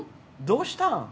どうしたん？